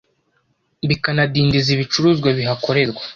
bikanadindiza ibicuruzwa bihakorerwa